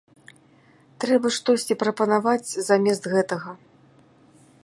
Трэба штосьці прапанаваць замест гэтага.